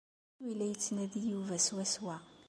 D acu ay la yettnadi Yuba swaswa?